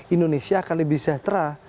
indonesia akan lebih sejahtera